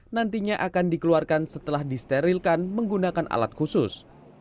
nantinya akan dikeluarkan setelah disterilkan menggunakan alat khusus